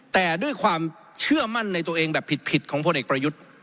แต่ด้วยความเชื่อมั่นในตัวเองแบบผิดของพลเอกประยุทธ์